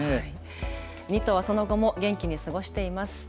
２頭はその後も元気に過ごしています。